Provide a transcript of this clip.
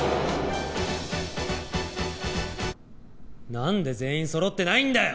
なんで全員そろってないんだよ！